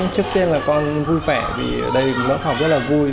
trước tiên là con vui vẻ vì ở đây lớp học rất là vui